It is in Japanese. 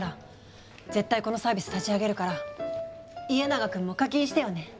絶対このサービス立ち上げるから家長くんも課金してよね。